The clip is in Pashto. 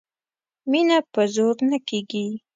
مینه په زور نه کیږي